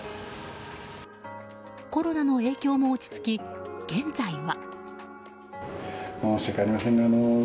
コロナの影響も落ち着き現在は。